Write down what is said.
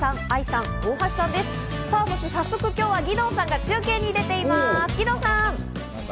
さて早速今日は義堂さんが中継に出ています、義堂さん。